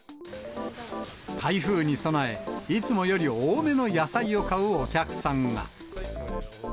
台風に備え、いつもより多めの野菜を買うお客さんが。